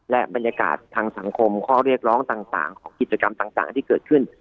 และบรรยากาศทางสังคมข้อเรียกร้องต่างของกิจกรรมต่างที่เกิดขึ้น